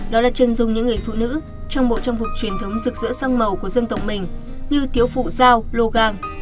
đó là chân dung những người phụ nữ trong bộ trang phục truyền thống rực rỡ sang màu của dân tộc mình như tiếu phụ giao lô gang